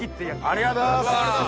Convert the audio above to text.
ありがとうございます。